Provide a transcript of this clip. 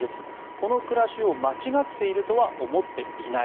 この暮らしを間違っているとは思っていない。